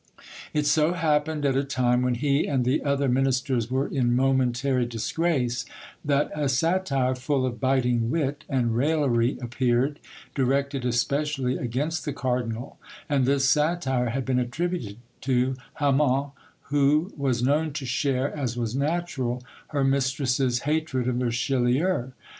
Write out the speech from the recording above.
It so happened at a time when he and the other ministers were in momentary disgrace, that a satire full of biting wit and raillery appeared, directed especially against the cardinal, and this satire had been attributed to Hammon, who was known to share, as was natural, her mistress's hatred of Richelieu.